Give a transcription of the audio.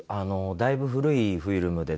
だいぶ古いフィルムでですね